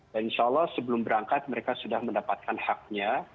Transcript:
dan insya allah sebelum berangkat mereka sudah mendapatkan haknya